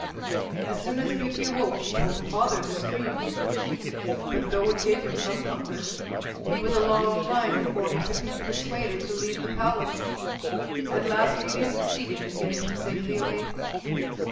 As soon as Beauty awoke she told her father this dream; but though it gave him some comfort, he was a long time before he could be persuaded to leave the palace. At last Beauty succeeded in getting him safely away.